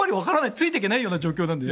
ついていけない状況なんでね。